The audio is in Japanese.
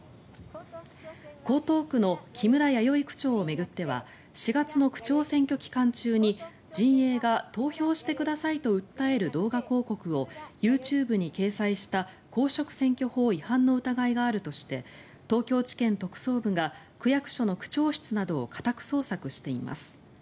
江東区の木村弥生区長を巡っては４月の区長選挙期間中に陣営が投票してくださいと訴える動画広告をＹｏｕＴｕｂｅに掲載した公職選挙法違反の疑いがあるとして東京地検特捜部が区役所の区長室などを家宅捜索しています。